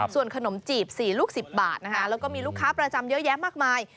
ส่วนขนมจีบ๔ลูก๑๐บาทนะคะแล้วก็มีลูกค้าประจำเยอะแยะมากมาย